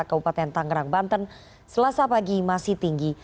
kabupaten tangerang banten selasa pagi masih tinggi